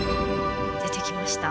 出てきました。